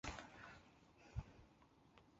暖暖包都用了三个